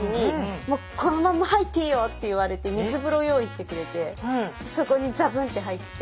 「もうこのまんま入っていいよ」って言われて水風呂用意してくれてそこにザブンって入って。